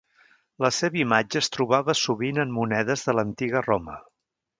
La seva imatge es trobava sovint en monedes de l'Antiga Roma.